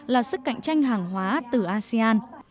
là sức cạnh tranh hàng hóa từ asean